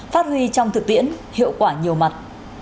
phát huy trong thực tiễn hiệu quả nhiều mặt